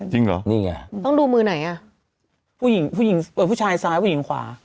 จริงเหรอนี่ไงต้องดูมือไหนอ่ะผู้หญิงผู้หญิงเอ่อผู้ชายซ้ายผู้หญิงขวา